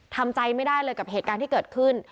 ทำใจไม่ได้เลยกับเหตุการณ์ที่เกิดขึ้น